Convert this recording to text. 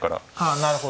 あなるほど。